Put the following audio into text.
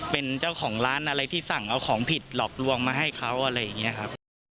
เป็นเจ้าของร้านอะไรที่สั่งเอาของผิดหลอกลวงมาให้เขาอะไรอย่างนี้ครับ